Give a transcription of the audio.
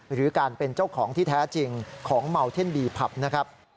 หรือการเป็นเจ้าของที่แท้จริงของเมาเท่นบีผับนะครับ